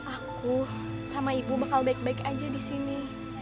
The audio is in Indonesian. aku sama ibu bakal baik baik aja disini